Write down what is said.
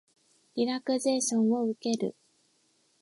リラクゼーションを受ける